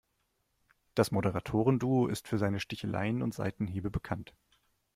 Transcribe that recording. Das Moderatoren-Duo ist für seine Sticheleien und Seitenhiebe bekannt.